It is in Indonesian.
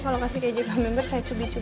kalau kasih keju camembert saya cubikkan